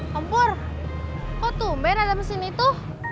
kompur kok ada mesin itu